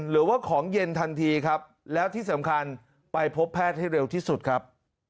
หรือว่าของเย็นทันทีครับแล้วที่สำคัญไปพบแพทย์ให้เร็วที่สุดครับ